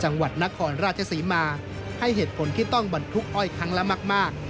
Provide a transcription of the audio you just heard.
จังหวัดนครราชศรีมาให้เหตุผลที่ต้องบรรทุกอ้อยครั้งละมาก